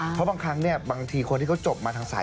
เพราะบางครั้งเนี่ยบางทีคนที่เขาจบมาทางสาย